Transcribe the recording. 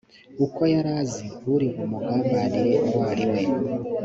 uko yari azi uri bumugambanire uwo ari we